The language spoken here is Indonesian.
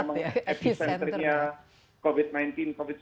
pusat ya epicenter